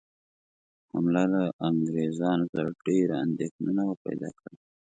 حمله له انګرېزانو سره ډېره اندېښنه نه وه پیدا کړې.